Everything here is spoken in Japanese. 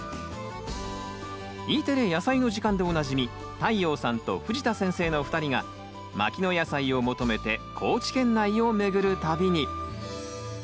Ｅテレ「やさいの時間」でおなじみ太陽さんと藤田先生のお二人が牧野野菜を求めて高知県内を巡る旅に。